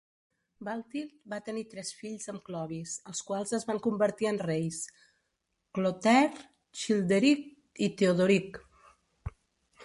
Balthild va tenir tres fills amb Clovis, els quals es van convertir en reis: Clotaire, Childeric i Teodoric.